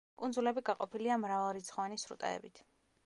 კუნძულები გაყოფილია მრავალრიცხოვანი სრუტეებით.